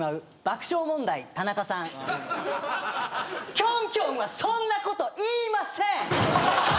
キョンキョンはそんなこと言いません！